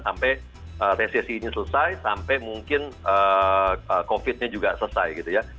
sampai resesi ini selesai sampai mungkin covid nya juga selesai gitu ya